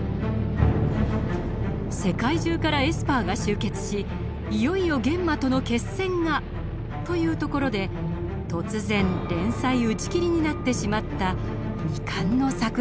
世界中からエスパーが集結しいよいよ幻魔との決戦が！というところで突然連載打ち切りになってしまった未完の作品です。